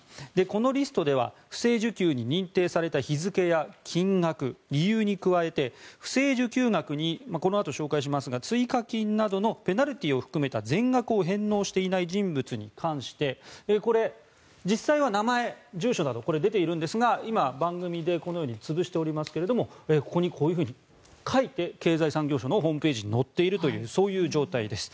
このリストでは不正受給に認定された日付や金額理由に加えて不正受給額にこのあと紹介しますが追加金などのペナルティーを含めた全額を返納していない人物に関してこれ、実際は名前、住所など出ているんですが今、番組でこのように潰していますがここにこのように書いて経済産業省のホームページに載っているという状態です。